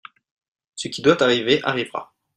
Ce qui doit arriver arrivera.